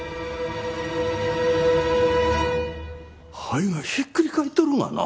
肺がひっくり返っとるがな！